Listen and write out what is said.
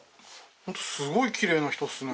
ホントすごいきれいな人ですね。